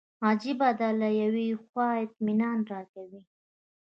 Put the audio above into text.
عجیبه ده له یوې خوا اطمینان راکوي.